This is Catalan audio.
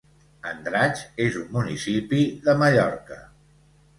Andratx és un municipi de Mallorca.